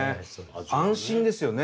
安心ですよね。